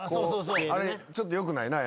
あれちょっとよくないな。